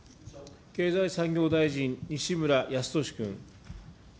経済産業大臣、西村康稔君。